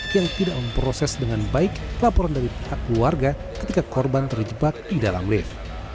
yang tidak memproses dengan baik laporan dari pihak keluarga ketika korban terjebak di dalam lift